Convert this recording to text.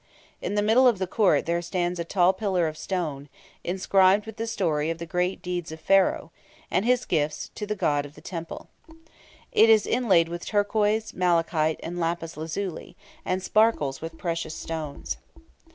In the middle of the court there stands a tall pillar of stone, inscribed with the story of the great deeds of Pharaoh, and his gifts to the god of the temple. It is inlaid with turquoise, malachite, and lapis lazuli, and sparkles with precious stones.